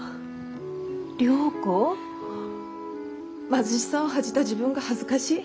貧しさを恥じた自分が恥ずかしい。